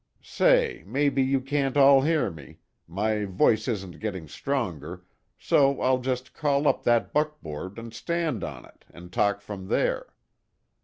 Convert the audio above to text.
Say, maybe you can't all hear me; my voice isn't getting stronger, so I'll just call up that buckboard and stand on it, and talk from there."